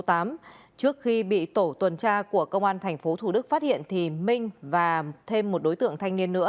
trước khi bị tổ tuần tra của công an tp thủ đức phát hiện thì minh và thêm một đối tượng thanh niên nữa